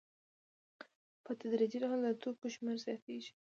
په تدریجي ډول د توکو شمېر زیاتېږي